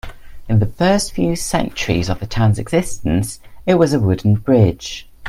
In the first few centuries of the town's existence, it was a wooden bridge.